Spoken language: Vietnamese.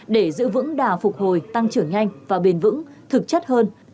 để giữ vững đà phục hồi tăng trưởng nhanh và bền vững thực chất hơn